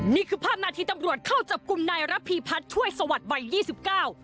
นี่คือภาพนาทีตำรวจเข้าจับกลุ่มนายระพีพัฒน์ช่วยสวัสดิวัยยี่สิบเก้า